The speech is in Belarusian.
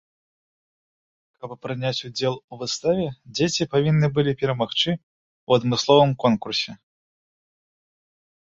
Каб прыняць удзел у выставе дзеці павінны былі перамагчы ў адмысловым конкурсе.